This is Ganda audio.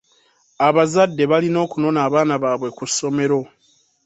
Abazadde balina okunona abaana baabwe ku ssomero.